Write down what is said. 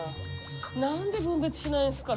何で分別しないんですか？